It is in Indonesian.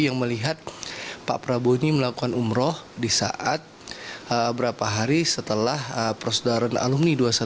yang melihat pak prabowo ini melakukan umroh di saat berapa hari setelah prosedaran alumni dua ratus dua belas